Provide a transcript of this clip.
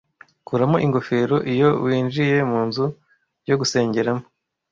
Kuramo ingofero iyo winjiye munzu yo gusengeramo.